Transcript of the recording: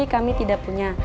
kami tidak punya